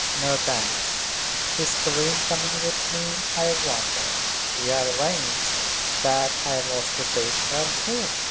"No, thanks. Is Karen coming with me, I wonder? We had arranged that I was to take her home."